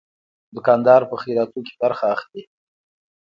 دوکاندار په خیراتو کې برخه اخلي.